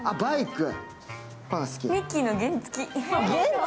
ミッキーの原付。